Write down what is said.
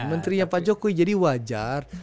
menterinya pak jokowi jadi wajar